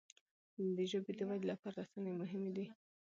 د ژبي د ودې لپاره رسنی مهمي دي.